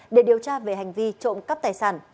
để điều tra về hành vi trộm cắp tài sản